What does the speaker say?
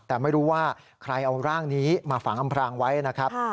แต่ไม่รู้ว่าใครเอาร่างนี้มาฝังอำพรางไว้นะครับ